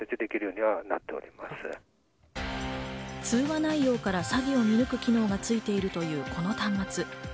通話内容から詐欺を見抜く機能がついているというこの端末。